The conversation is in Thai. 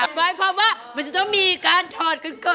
หมายความว่ามันจะต้องมีการถอดกันก่อน